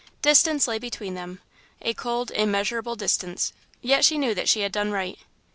Distance lay between them a cold, immeasurable distance, yet she knew that she had done right.